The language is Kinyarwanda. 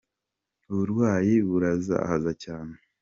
Uburwayi burazahaza cyane.